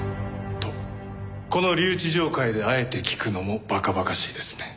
とこの留置場階であえて聞くのも馬鹿馬鹿しいですね。